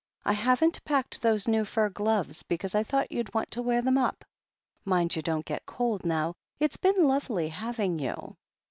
I haven't packed those new fur gloves, because I thought you'd want to wear them up. Mind you don't get cold, now. It's been lovely, having you."